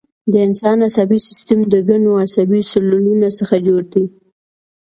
د انسان عصبي سیستم د ګڼو عصبي سلولونو څخه جوړ دی